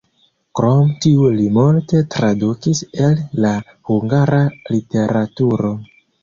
Krom tiu li multe tradukis el la hungara literaturo.